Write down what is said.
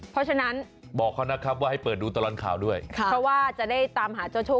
เพราะฉะนั้นบอกเขานะครับ